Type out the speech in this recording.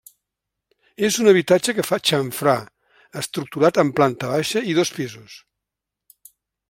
És un habitatge que fa xamfrà, estructurat en planta baixa i dos pisos.